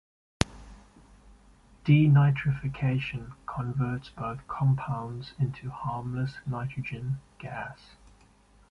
Denitrification converts both compounds into harmless nitrogen gas.